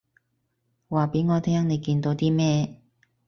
話畀我聽你見到啲咩